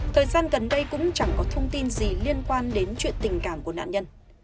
thời gian gần đây cũng chẳng có thông tin gì liên quan đến chuyện tình cảm của nạn nhân